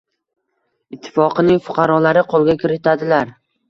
Ittifoqining fuqarolari qo‘lga kiritadilar: